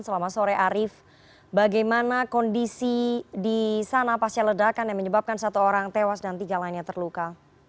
selama sore arief bagaimana kondisi di sana pasca ledakan yang menyebabkan satu orang tewas dan tiga lainnya terluka